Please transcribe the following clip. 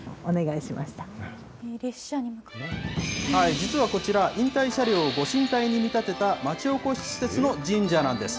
実はこちら、引退車両をご神体に見立てた、町おこし施設の神社なんです。